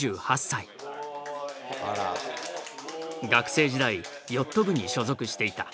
学生時代ヨット部に所属していた。